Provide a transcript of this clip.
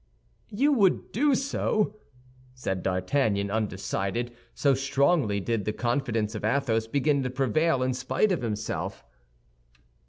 "You would do so?" said D'Artagnan, undecided, so strongly did the confidence of Athos begin to prevail, in spite of himself.